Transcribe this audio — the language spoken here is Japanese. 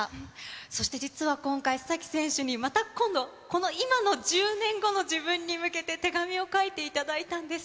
そして実は今回、須崎選手にまた今度、この今の１０年後の自分に向けて、手紙を書いていただいたんです。